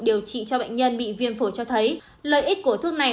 điều trị cho bệnh nhân bị viêm phổi cho thấy lợi ích của thuốc này